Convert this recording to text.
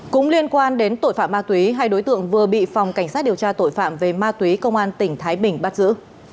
cũng liên quan đến tội phạm ma túy hai đối tượng vừa bị phòng cảnh sát điều tra tội phạm về ma túy công an tỉnh thái bình bắt giữ